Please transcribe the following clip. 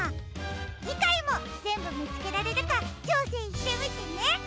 じかいもぜんぶみつけられるかちょうせんしてみてね！